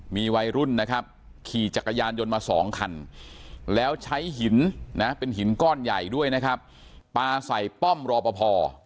มีวัยรุ่นนะครับขี่จักรยานยนต์มาสองคันแล้วใช้หินนะเป็นหินก้อนใหญ่ด้วยนะครับปลาใส่ป้อมรอปภ